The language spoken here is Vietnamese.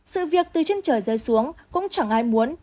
sự việc từ trên trời rơi xuống cũng chẳng ai muốn